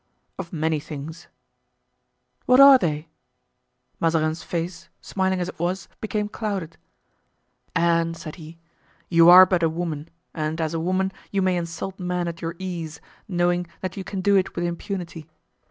"Of many things." "What are they?" Mazarin's face, smiling as it was, became clouded. "Anne," said he, "you are but a woman and as a woman you may insult men at your ease, knowing that you can do it with impunity.